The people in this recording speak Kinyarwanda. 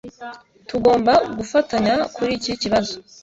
Tugomba gufatanya kuri iki kibazo.